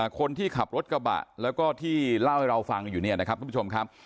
คนที่ขับรถกระบะแล้วก็ที่เล่าให้เราฟังอยู่เนี่ยนะครับทุกผู้ชมครับ